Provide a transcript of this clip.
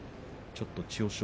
ちょっと千代翔